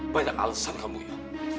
banyak alasan kamu yuk